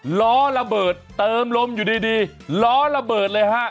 ล้อระเบิดเติมลมอยู่ดีล้อระเบิดเลยฮะ